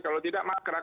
kalau tidak mangkrak